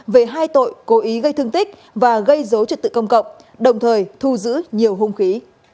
về hai tội cố ý gây thương tích và gây dối trật tự công cộng đồng thời thu giữ nhiều hung khí